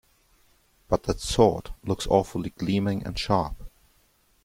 But that sword looks awfully gleaming and sharp.